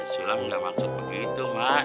sulam gak maksud begitu mak